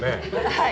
はい！